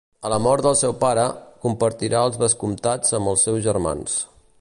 A la mort del seu pare, compartirà els vescomtats amb els seus germans.